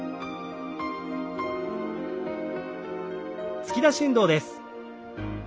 突き出し運動です。